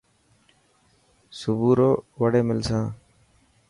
سپورو وڙي ملسان.